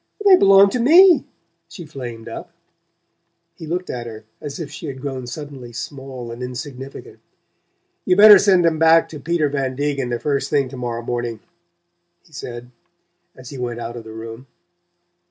"They belong to me!" she flamed up. He looked at her as if she had grown suddenly small and insignificant. "You better send 'em back to Peter Van Degen the first thing to morrow morning," he said as he went out of the room.